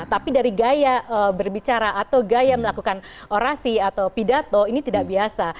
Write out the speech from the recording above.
tapi dari gaya berbicara atau gaya melakukan orasi atau pidato ini tidak biasa